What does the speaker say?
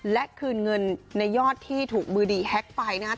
และคืนเงินในยอดที่ถูกมือดีแฮ็กไปนะครับ